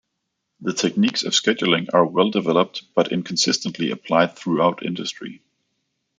The techniques of scheduling are well developed but inconsistently applied throughout industry.